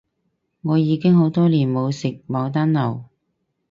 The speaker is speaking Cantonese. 我已經好多年冇食牡丹樓